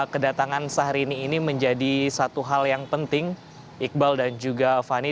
kedatangan syahrini ini menjadi satu hal yang penting iqbal dan juga fani